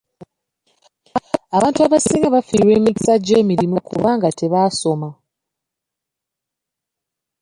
Abantu abasinga bafiirwa emikisa gy'emirimu kubanga tebaasoma.